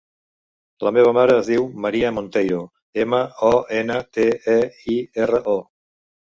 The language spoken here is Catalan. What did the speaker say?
La meva mare es diu Maria Monteiro: ema, o, ena, te, e, i, erra, o.